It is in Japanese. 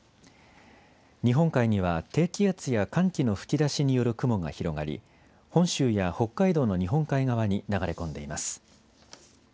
日本海には低気圧や寒気の吹き出しによる雲が広がり本州や北海道の日本海側に流れ込んでいます。